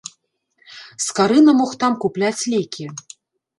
Скарына мог там купляць лекі.